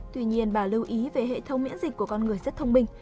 tuy nhiên bà lưu ý về hệ thống miễn dịch của con người rất thông minh